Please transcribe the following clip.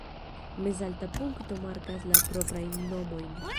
Mezalta punkto markas la proprajn nomojn.